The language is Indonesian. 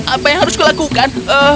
apa yang harus kulakukan